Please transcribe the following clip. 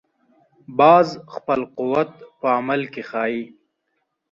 باز خپل قوت په عمل کې ښيي